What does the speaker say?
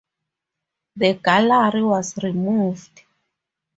The gallery was removed.